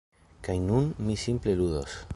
Kaj nun mi simple ludos.